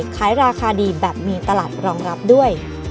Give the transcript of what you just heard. ขายราคาดีแบบมีตลาดรองรับด้วย